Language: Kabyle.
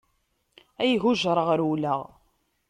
Ay hujṛeɣ rewleɣ.